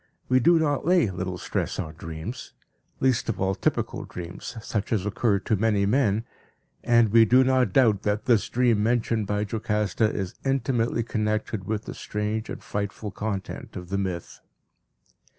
We do not lay little stress on dreams, least of all typical dreams such as occur to many men, and we do not doubt that this dream mentioned by Jocasta is intimately connected with the strange and frightful content of the myth.